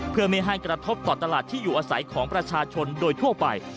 เพื่อไม่ให้กระทบต่อตลาดที่อยู่อาศัยของประชาชนโดยทั่วไป